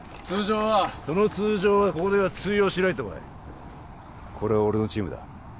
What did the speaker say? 通常はその通常はここでは通用しないと思えこれは俺のチームだ